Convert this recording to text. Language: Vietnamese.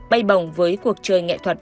bay bồng với cuộc chơi nghệ thuật